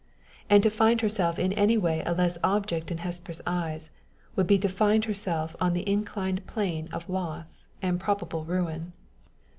And to find herself in any way a less object in Hesper's eyes, would be to find herself on the inclined plane of loss, and probable ruin.